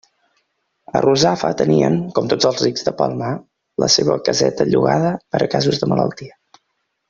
A Russafa tenien, com tots els rics del Palmar, la seua caseta llogada per a casos de malaltia.